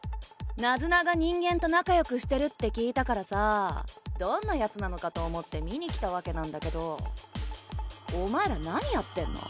ナズナが人間と仲良くしてるって聞いたからさぁどんなやつなのかと思って見に来たわけなんだけどお前ら何やってんの？